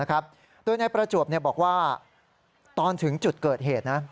โดยนายประจวบบอกว่าตอนถึงจุดเกิดเหตุ